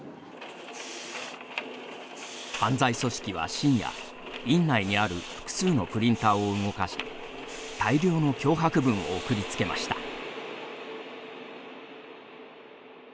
犯罪組織は深夜、院内にある複数のプリンターを動かし大量の脅迫文を送りつけました。